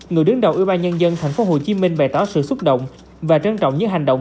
người đứng đầu ubnd tp hcm bày tỏ sự xúc động và trân trọng những hành động